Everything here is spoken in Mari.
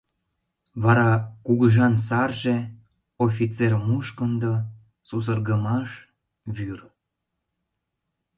Вара кугыжан сарже... офицер мушкындо... сусыргымаш... вӱр...